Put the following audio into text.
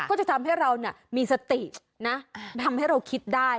ก็จะทำให้เรามีสตินะทำให้เราคิดได้